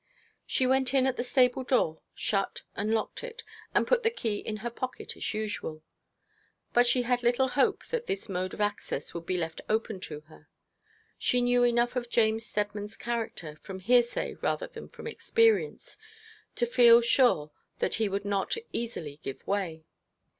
She went in at the stable door, shut and locked it, and put the key in her pocket as usual. But she had little hope that this mode of access would be left open to her. She knew enough of James Steadman's character, from hearsay rather than from experience, to feel sure that he would not easily give way.